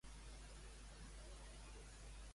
Quina autoritat diu Alavedra que ho va permetre?